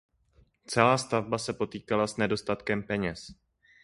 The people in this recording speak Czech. Celá stavba se potýkala s nedostatkem peněz.